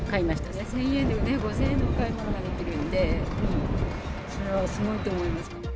１０００円で５０００円のお買い物ができるんで、すごいと思います。